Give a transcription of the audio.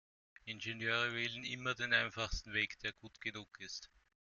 Ingenieure wählen immer den einfachsten Weg, der gut genug ist.